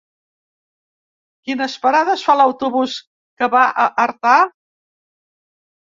Quines parades fa l'autobús que va a Artà?